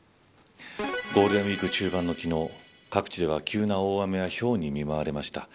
ゴールデンウイーク中盤の昨日各地では急な大雨やひょうに見舞われました。